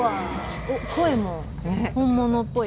声も本物っぽい。